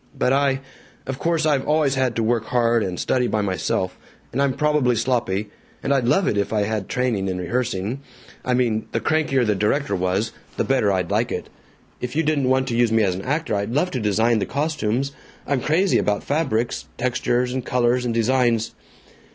But I Of course I've always had to work hard, and study by myself, and I'm probably sloppy, and I'd love it if I had training in rehearsing I mean, the crankier the director was, the better I'd like it. If you didn't want to use me as an actor, I'd love to design the costumes. I'm crazy about fabrics textures and colors and designs."